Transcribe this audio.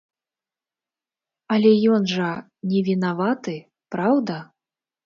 Але ён жа не вінаваты, праўда?